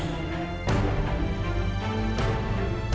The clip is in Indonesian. untuk menjelaskan diri kepada rakyat raja jahat